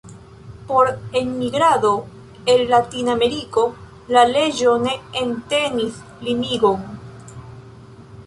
Por enmigrado el Latina Ameriko, la leĝo ne entenis limigon.